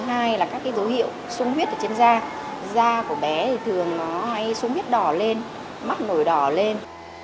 thứ hai là các cái dấu hiệu súng huyết ở trên da da của bé thì thường nó hay súng huyết đỏ lên mắt nổi đỏ lên